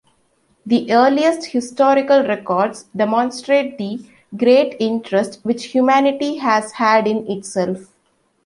The earliest historical records demonstrate the great interest which humanity has had in itself.